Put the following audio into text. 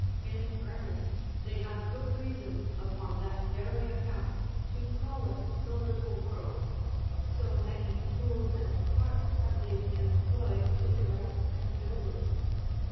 In earnest, they have good reason, upon that very account, to call it the little world, so many tools and parts have they employed to erect and build it.